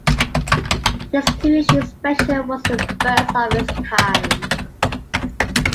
This two-issue special was the first of its kind.